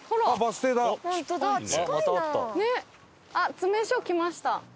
詰所来ました。